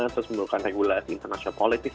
terus menurutkan regulasi international politics